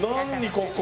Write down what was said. ここ。